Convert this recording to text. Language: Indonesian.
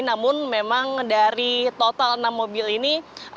namun memang dari total enam mobil ini